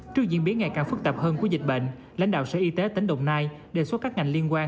trước diễn biến ngày càng phức tạp hơn của dịch bệnh lãnh đạo sở y tế tỉnh đồng nai đề xuất các ngành liên quan